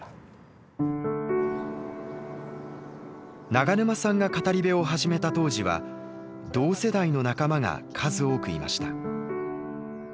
永沼さんが語り部を始めた当時は同世代の仲間が数多くいました。